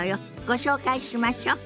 ご紹介しましょ。